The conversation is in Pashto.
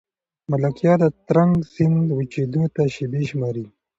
ملکیار د ترنک سیند وچېدو ته شېبې شماري.